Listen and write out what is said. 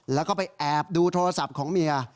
แล้วก็ไปแอบดูโทรศัพท์ของเมีย